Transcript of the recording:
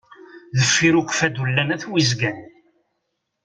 Deffir ukfadu llan at wizgan.